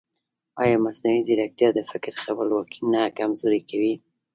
ایا مصنوعي ځیرکتیا د فکر خپلواکي نه کمزورې کوي؟